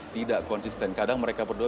tidak konsisten kadang mereka berdua